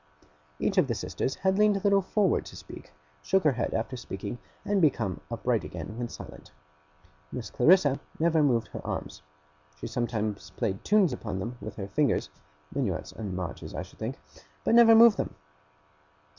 Each of the sisters leaned a little forward to speak, shook her head after speaking, and became upright again when silent. Miss Clarissa never moved her arms. She sometimes played tunes upon them with her fingers minuets and marches I should think but never moved them.